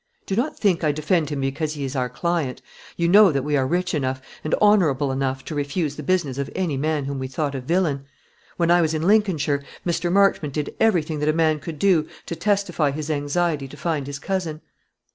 "Do not think I defend him because he is our client. You know that we are rich enough, and honourable enough, to refuse the business of any man whom we thought a villain. When I was in Lincolnshire, Mr. Marchmont did everything that a man could do to testify his anxiety to find his cousin."